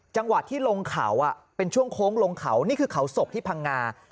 จังหวะที่ลงเขาเป็นช่วงโค้งลงเขานี่คือเขาศกที่พังงา